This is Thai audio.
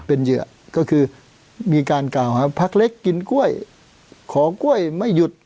เป็นเหยื่อก็คือมีการกล่าวหาพักเล็กกินกล้วยขอกล้วยไม่หยุด